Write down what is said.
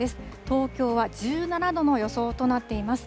東京は１７度の予想となっています。